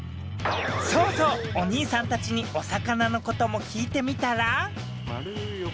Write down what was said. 磴修Δ修お兄さんたちにお魚のことも聞いてみたら？